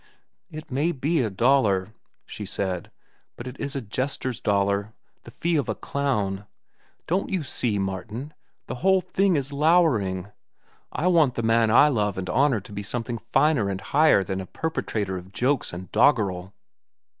"It may be a dollar," she said, "but it is a jester's dollar, the fee of a clown. Don't you see, Martin, the whole thing is lowering. I want the man I love and honor to be something finer and higher than a perpetrator of jokes and doggerel."